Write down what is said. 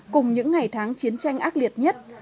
cùng những ngày tháng chiến tranh ác liệt nhất